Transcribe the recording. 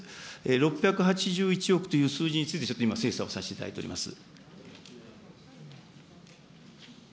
６８１億という数字について、ちょっと今、精査をさせていただいております。